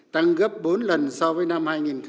tăng gấp bốn lần so với năm hai nghìn một mươi